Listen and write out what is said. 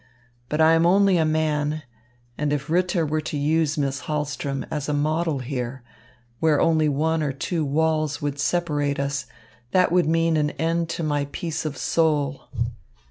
But I am only a man, and if Ritter were to use Miss Hahlström as a model here, where only one or two walls would separate us, that would mean an end to my peace of soul."